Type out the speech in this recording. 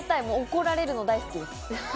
怒られるの大好きです。